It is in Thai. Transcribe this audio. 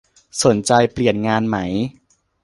สนใจเปลี่ยนงานไหม